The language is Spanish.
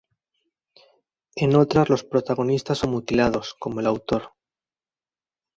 En otras los protagonistas son mutilados, como el autor.